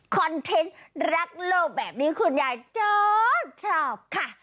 เทนต์รักโลกแบบนี้คุณยายจอบชอบค่ะ